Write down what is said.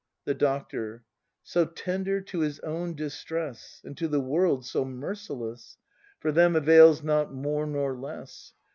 The Doctor. So tender to his own distress. And to the world so merciless! For them avails not more nor less!